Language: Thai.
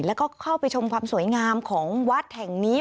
แล้วก็เข้าไปชมความสวยงามของวัดแห่งนี้